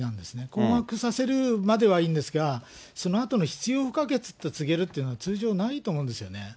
困惑させるまではいいんですが、そのあとの必要不可欠って告げるって通常ないと思うんですよね。